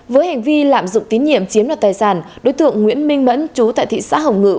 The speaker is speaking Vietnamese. với hành vi lạm dụng tín nhiệm chiếm đoạt tài sản đối tượng nguyễn minh mẫn chú tại thị xã hồng ngự